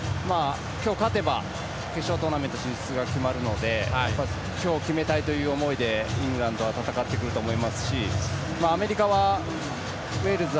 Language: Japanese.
今日、勝てば決勝トーナメント進出が決まるので今日決めたいという思いでイングランドは戦ってくると思いますしアメリカはウェールズ